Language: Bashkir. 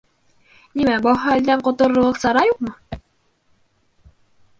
Нимә, был хәлдән ҡотолорлоҡ сара юҡмы?